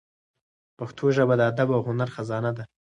پښتو ژبه د ادب او هنر خزانه ده.